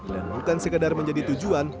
dan bukan sekadar menjadi tujuan